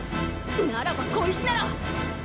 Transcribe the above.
ならば小石なら！